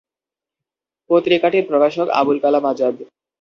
পত্রিকাটির প্রকাশক আবুল কালাম আজাদ।